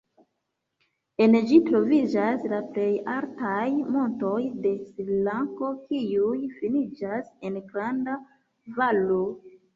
En ĝi troviĝas la plej altaj montoj de Srilanko kiuj finiĝas en granda valo.